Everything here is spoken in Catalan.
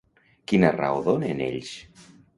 Quina raó donen ells?